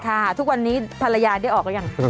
ค่ะทุกวันนี้ภรรยาเดี๋ยวออกแล้วยัง